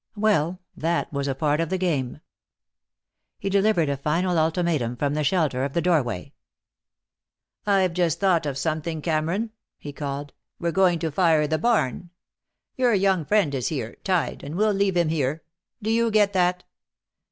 Well, that was a part of the game. He delivered a final ultimatum from the shelter of the doorway. "I've just thought of something, Cameron," he called. "We're going to fire the barn. Your young friend is here, tied, and we'll leave him here. Do you get that?